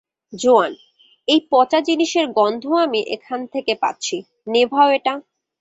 জোয়ান, এই পঁচা জিনিসের গন্ধ আমি এখান থেকে পাচ্ছি, নেভাও এটা।